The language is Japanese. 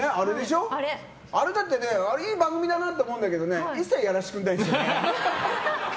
あれだっていい番組だなと思うんだけど一切やらせてくれないんですよね。